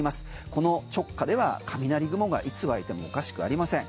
この直下では雷雲がいつ湧いてもおかしくありません。